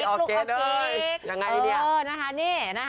ออกเกต